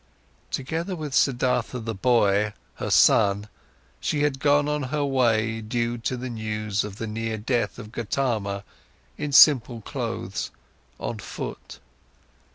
Together with Siddhartha the boy, her son, she had gone on her way due to the news of the near death of Gotama, in simple clothes, on foot.